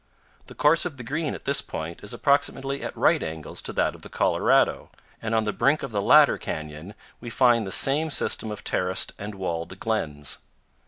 The course of the Green at this point is approximately at right angles to that of the Colorado, and on the brink of the latter canyon we find the same system of terraced and walled glens.